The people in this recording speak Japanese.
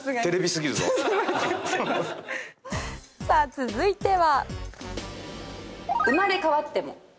続いては。